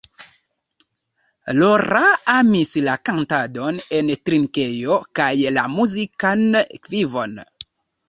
Laura amis la kantadon en drinkejo kaj la muzikan vivon.